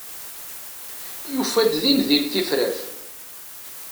Yufa-d din din tifrat.